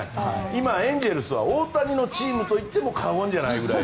今、エンゼルスは大谷のチームといっても過言じゃないぐらい。